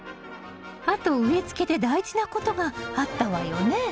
あと植え付けで大事なことがあったわよね。